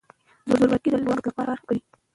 زورواکي د لنډ وخت لپاره کار ورکوي.